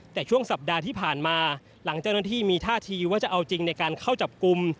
แต่ช่วงสัปดาห์ที่ผ่านมาหลังเจ้าหน้าที่มีท่าทีว่าจะเอาจริงในการเข้าจับกลุ่ม